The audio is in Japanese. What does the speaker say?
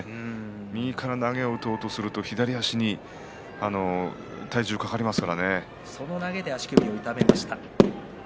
右から投げを打とうとするとその中で足首を痛めました。